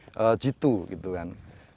sangat jitu gitu kan